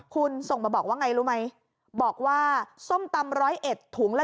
คุณส่งมาบอกว่าไงรู้ไหมบอกว่าส้มตำ๑๐๑ถุงละ